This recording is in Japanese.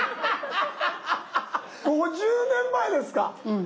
５０年前ですか⁉うん。